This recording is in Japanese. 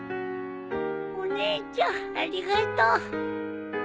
お姉ちゃんありがとう。